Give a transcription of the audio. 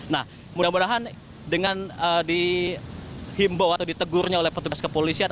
nah mudah mudahan dengan dihimbau atau ditegurnya oleh petugas kepolisian